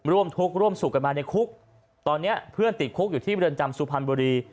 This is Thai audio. ร่วมทุกข์ร่วมสุขกันมาในคุกตอนนี้เพื่อนติดคุกอยู่ที่เรือนจำสุพรรณบุรี